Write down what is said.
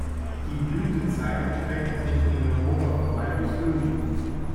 Die Blütezeit erstreckt sich in Europa von Mai bis Juni.